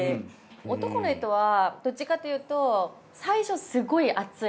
男の人はどっちかっていうと最初すごい熱い。